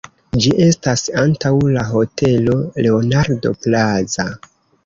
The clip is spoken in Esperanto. Ĝi estas antaŭ la Hotelo Leonardo Plaza.